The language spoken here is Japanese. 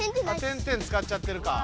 点点使っちゃってるか。